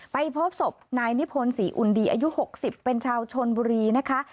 พบศพนายนิพนธ์ศรีอุ่นดีอายุ๖๐เป็นชาวชนบุรีนะคะ